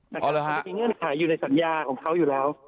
มันจะมีเงื่อนไขอยู่ในสัญญาของเขาอยู่แล้ว